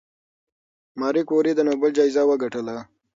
ماري کوري د نوبل جایزه وګټله؟